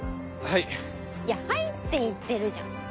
いや「はい」って言ってるじゃん。